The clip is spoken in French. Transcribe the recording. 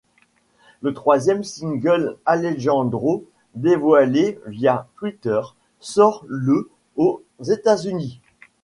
Le troisième single, Alejandro, dévoilé via Twitter, sort le aux États-Unis.